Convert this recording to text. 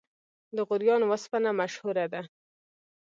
د غوریان وسپنه مشهوره ده